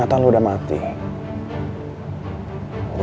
aku sudah dihati hati